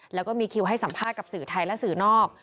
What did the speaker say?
แล้วก็มีคิวให้สัมภาษณ์กับสื่อไทยและสื่อนอก